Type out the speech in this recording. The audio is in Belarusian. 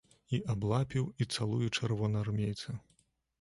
І аблапіў, і цалуе чырвонаармейца.